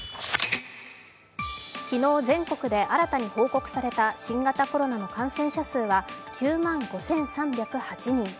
昨日、全国で新たに報告された新型コロナの感染者数は９万５３０８人。